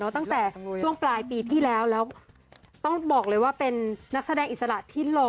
ตั้งแต่ช่วงปลายปีที่แล้วแล้วต้องบอกเลยว่าเป็นนักแสดงอิสระที่หล่อ